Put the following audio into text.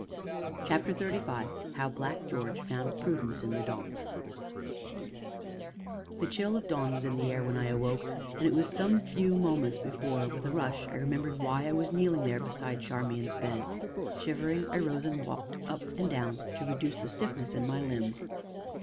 CHAPTER XXXV HOW BLACK GEORGE FOUND PRUDENCE IN THE DAWN The chill of dawn was in the air when I awoke, and it was some few moments before, with a rush, I remembered why I was kneeling there beside Charmian's bed. Shivering, I rose and walked up and down to reduce the stiffness in my limbs.